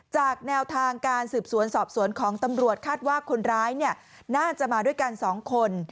แนวทางการสืบสวนสอบสวนของตำรวจคาดว่าคนร้ายน่าจะมาด้วยกัน๒คน